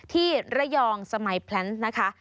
ที่ระยองสมัยแพลนส์นะคะ